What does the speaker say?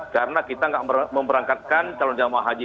karena kita nggak memberangkatkan calon jamaah haji